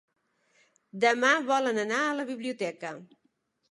Demà volen anar a la biblioteca.